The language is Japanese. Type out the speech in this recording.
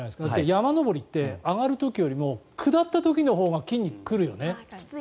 山登りって上がる時よりも下ったときのほうが筋肉に来るよね。